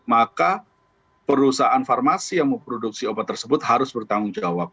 maka perusahaan farmasi yang memproduksi obat tersebut harus bertanggung jawab